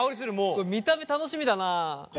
これ見た目楽しみだなあ。